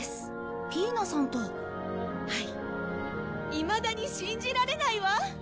いまだに信じられないわ！